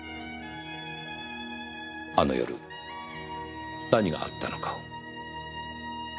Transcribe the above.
あの夜何があったのかを。